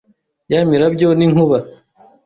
ya mirabyo n’inkuba